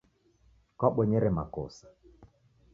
Kwabonyere makosa.